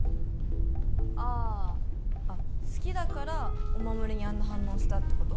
ああ好きだからお守りにあんな反応したってこと？